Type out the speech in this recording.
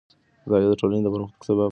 مطالعه د ټولنې د پرمختګ سبب کېږي.